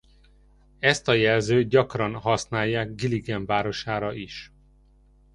Ezt a jelzőt gyakran használják Gillingham városára is.